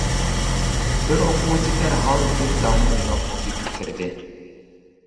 بىر ئوقۇغۇچى دەرھال بىر دانە ئۈنئالغۇ تېپىپ كىردى.